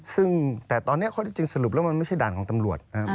ซึ่งแต่ตอนนี้ข้อที่จริงสรุปแล้วมันไม่ใช่ด่านของตำรวจนะครับ